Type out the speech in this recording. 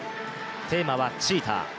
テーマはチーター。